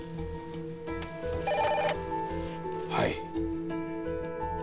はい。